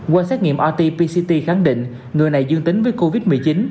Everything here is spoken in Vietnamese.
qua xét nghiệm rt pct khẳng định người này dương tính với covid một mươi chín